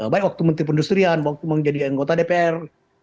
baik waktu menteri pendustrian waktu menjadi anggota dpr